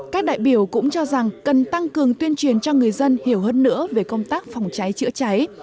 các đại biểu cũng cho rằng cần tăng cường tuyên truyền cho người dân hiểu hơn nữa về công tác phòng cháy chữa cháy